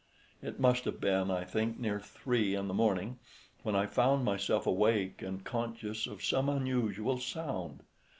It must have been, I think, near three in the morning when I found myself awake and conscious of some unusual sound.